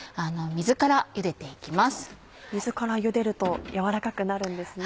水からゆでると軟らかくなるんですね。